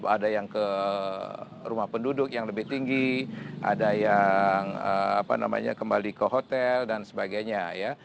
ada yang ke rumah penduduk yang lebih tinggi ada yang kembali ke hotel dan sebagainya ya